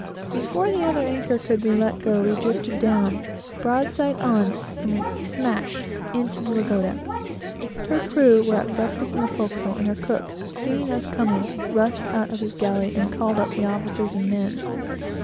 Before the other anchor could be let go, we drifted down, broadside on, and went smash into the Lagoda. Her crew were at breakfast in the forecastle, and the cook, seeing us coming, rushed out of his galley, and called up the officers and men.